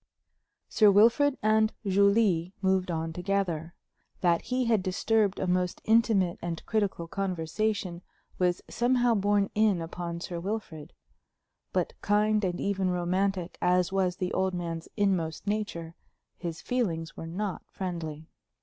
Sir Wilfrid and Julie moved on together. That he had disturbed a most intimate and critical conversation was somehow borne in upon Sir Wilfrid. But kind and even romantic as was the old man's inmost nature, his feelings were not friendly.